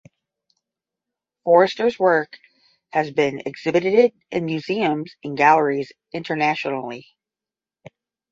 Foerster’s work has been exhibited in museums and galleries internationally.